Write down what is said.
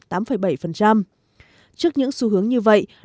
trước những xu hướng như vậy